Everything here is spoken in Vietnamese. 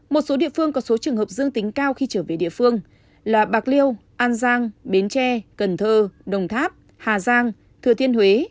một số địa phương có số trường hợp dương tính cao khi trở về địa phương là bạc liêu an giang bến tre cần thơ đồng tháp hà giang thừa thiên huế